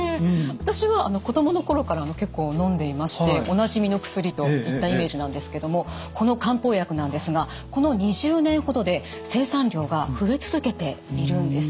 私は子供の頃から結構のんでいましておなじみの薬といったイメージなんですけどもこの漢方薬なんですがこの２０年ほどで生産量が増え続けているんです。